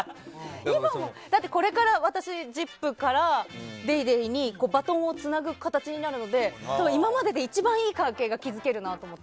これから「ＺＩＰ！」から「ＤａｙＤａｙ．」にバトンをつなぐ形になるので今までで一番いい関係が築けるって思って。